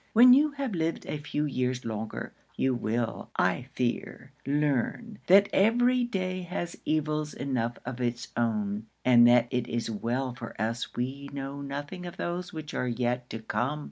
When you have lived a few years longer, you will, I fear, learn, that every day has evils enough of its own, and that it is well for us we know nothing of those which are yet to come.